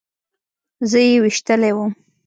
زه يې ويشتلى وم.